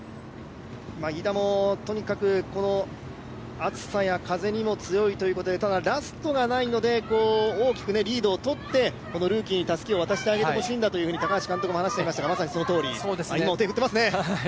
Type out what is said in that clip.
飯田も、とにかく暑さや風にも強いということでただ、ラストがないので、大きくリードをとってこのルーキーにたすきを渡してあげて欲しいんだと言ってましたがまさにそのとおり、今手を振ってますね。